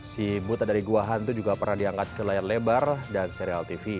si buta dari gua hantu juga pernah diangkat ke layar lebar dan serial tv